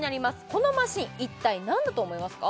このマシン一体何だと思いますか？